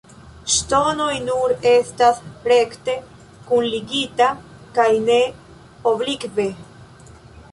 Ŝtonoj nur estas rekte kunligita kaj ne oblikve.